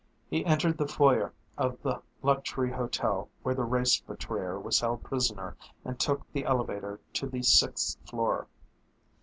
He entered the foyer of the luxury hotel where the race betrayer was held prisoner and took the elevator to the sixth floor.